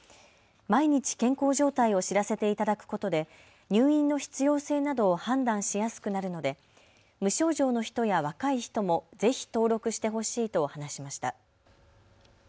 毎日、健康状態を知らせていただくことで入院の必要性などを判断しやすくなるので無症状の人や若い人もぜひ登録してほしいと話しました。